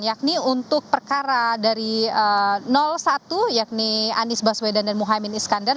yakni untuk perkara dari satu yakni anies baswedan dan muhaymin iskandar